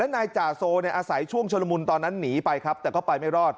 นายจ่าโซเนี่ยในการอาศัยช่วงชวงชนมุลตอนนั้นหนีไปแต่ไปไม่รอด